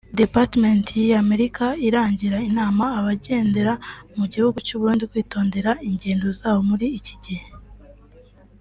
Departement y’Amerika iragira inama abagendera mu gihugu cy’u Burundi kwitondera ingendo zabo muri iki gihe